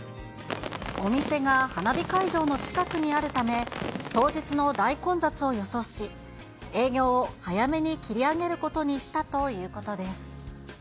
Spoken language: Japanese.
お店が花火会場の近くにあるため、当日の大混雑を予想し、営業を早めに切り上げることにしたということです。